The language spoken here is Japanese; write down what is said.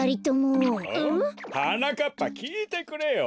はなかっぱきいてくれよ！